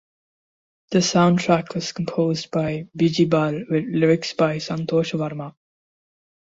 The soundtrack was composed by Bijibal with lyrics by Santhosh Varma.